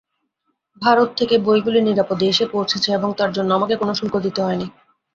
ভারত থেকে বইগুলি নিরাপদে এসে পৌঁছেছে এবং তার জন্য আমাকে কোন শুল্ক দিতে হয়নি।